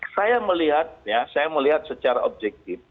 saya melihat ya saya melihat secara objektif